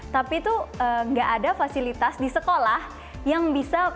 tapi tuh gak ada fasilitas di sekolah yang bisa